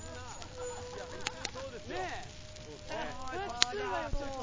きついわよちょっと。